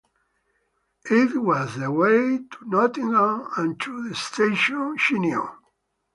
It was the way to Nottingham and to the station, she knew.